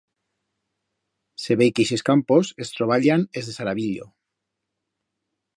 Se vei que ixes campos es troballan es de Saravillo.